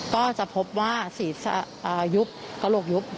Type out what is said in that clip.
ก็จะพบว่าสียุบกระโหลกยุบ